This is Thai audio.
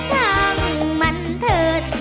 ลองมั่นเถิด